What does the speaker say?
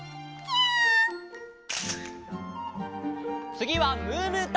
つぎはムームーと。